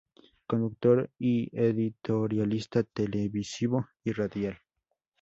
Conductor y editorialista Televisivo y Radial.